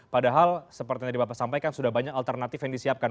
padahal seperti tadi bapak sampaikan sudah banyak alternatif yang disiapkan